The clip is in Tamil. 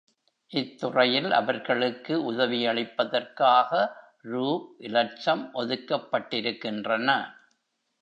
இத் துறையில் அவர்களுக்கு உதவியளிப்பதற்காக ரூ இலட்சம் ஒதுக்கப்பட்டிருக்கின்றன.